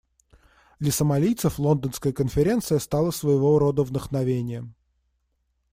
Для сомалийцев Лондонская конференция стала своего рода вдохновением.